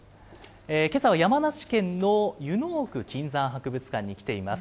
けさは山梨県の湯之奥金山博物館に来ています。